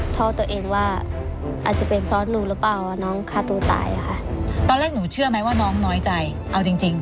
ตอนแรกหนูเชื่อไหมว่าน้องน้อยใจเอาจริง